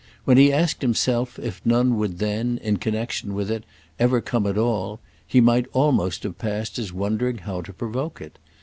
When he asked himself if none would then, in connexion with it, ever come at all, he might almost have passed as wondering how to provoke it.